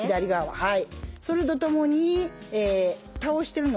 はい。